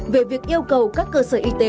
về việc yêu cầu các cơ sở y tế